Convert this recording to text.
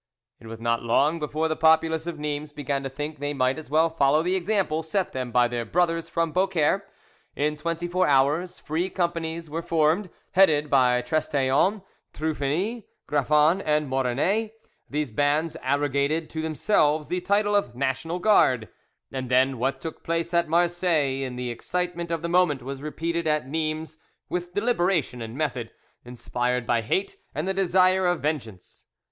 It was not long before the populace of Nimes began to think they might as well follow the example set them by their brothers from Beaucaire. In twenty four hours free companies were formed, headed by Trestaillons, Trupheny, Graffan, and Morinet. These bands arrogated to themselves the title of National Guard, and then what took place at Marseilles in the excitement of the moment was repeated at Nimes with deliberation and method, inspired by hate and the desire of vengeance.